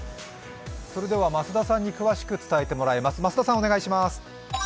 それでは増田さんに詳しく伝えてもらいます。